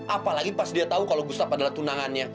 apalagi pas dia tau kalau gustaf adalah tunangannya